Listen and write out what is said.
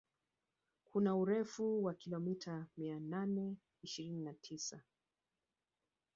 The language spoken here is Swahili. Kuna urefu wa kilomita mia nane ishirini na tisa